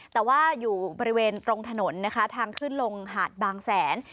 แต่ว่าอยู่บริเวณตรงถนนนะคะทางขึ้นลงหาดบางแสน